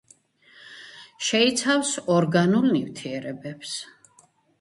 შეიცავს ორგანულ ნივთიერებებს.